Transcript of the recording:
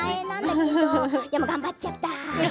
でも頑張っちゃった。